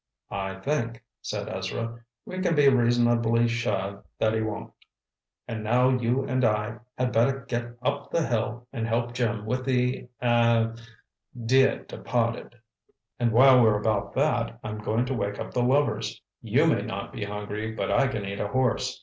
"I think," said Ezra, "we can be reasonably sure that he won't. And now you and I had better get up the hill and help Jim with the—er—dear departed." "And while we're about that, I'm going to wake up the lovers. You may not be hungry, but I can eat a horse.